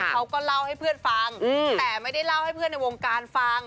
เขาก็เล่าให้เพื่อนฟังแต่ไม่ได้เล่าให้เพื่อนในวงการฟัง